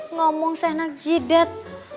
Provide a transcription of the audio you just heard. ngomong seenak jidat